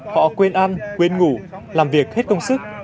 họ quên ăn quên ngủ làm việc hết công sức